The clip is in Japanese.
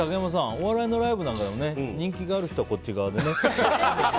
お笑いのライブなんかでも人気がある人はこっち側でね。